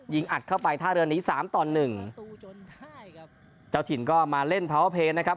ยิงอัดเข้าไปท่าเรือนหนีสามตอนหนึ่งจ้าวถิ่นก็มาเล่นพาวเวอร์เพจนะครับ